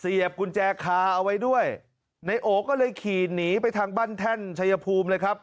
กุญแจคาเอาไว้ด้วยนายโอก็เลยขี่หนีไปทางบ้านแท่นชัยภูมิเลยครับ